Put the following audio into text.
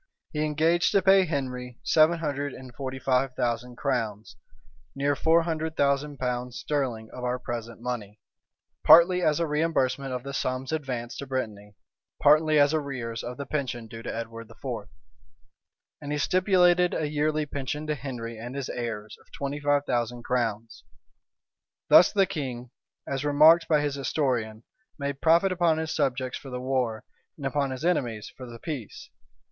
He engaged to pay Henry seven hundred and forty five thousand crowns, near four hundred thousand pounds sterling of our present money; partly as a reimbursement of the sums advanced to Brittany, partly as arrears of the pension due to Edward IV. And he stipulated a yearly pension to Henry and his heirs of twenty five thousand crowns. Thus the king, as remarked by his historian, made profit upon his subjects for the war, and upon his enemies for the peace.